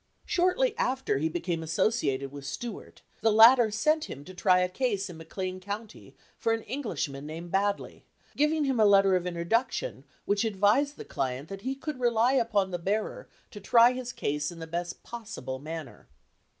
Shortly after he became associated with Stuart, the latter sent him to try a case in McLean County for an Englishman named Baddeley, giving him a letter of introduction which advised the client that he could rely upon the bearer to try his case in the best pos sible manner.